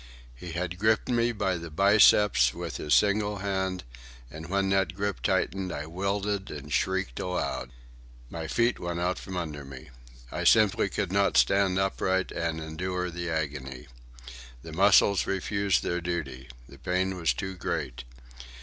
He had gripped me by the biceps with his single hand, and when that grip tightened I wilted and shrieked aloud. My feet went out from under me. I simply could not stand upright and endure the agony. The muscles refused their duty. The pain was too great.